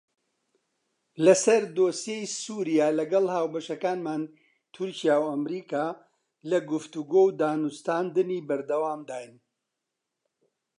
لەسەر دۆسیەی سووریا لەگەڵ هاوبەشەکانمان تورکیا و ئەمریکا لە گفتوگۆ و دانوستاندنی بەردەوامداین.